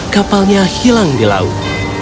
kapalnya hilang di laut